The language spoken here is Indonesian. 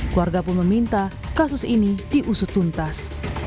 keluarga pun meminta kasus ini diusut tuntas